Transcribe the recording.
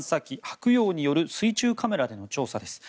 「はくよう」による水中カメラでの調査です。